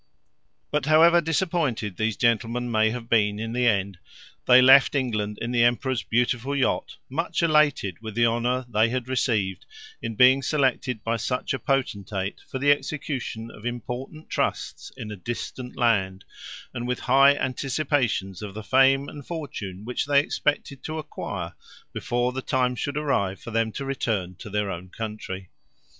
But, however disappointed these gentlemen may have been in the end, they left England in the emperor's beautiful yacht, much elated with the honor they had received in being selected by such a potentate for the execution of important trusts in a distant land, and with high anticipations of the fame and fortune which they expected to acquire before the time should arrive for them to return to their own country.